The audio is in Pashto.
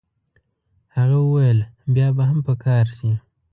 هغه وویل بیا به هم په کار شي.